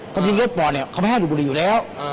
บางทีโรคปลอดเนี่ยเขาไม่ให้ดูบุหรี่อยู่แล้ว